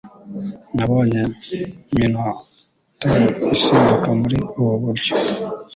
Nabonye Minotaur isimbuka muri ubu buryo